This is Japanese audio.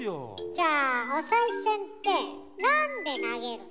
じゃあお賽銭ってなんで投げるの？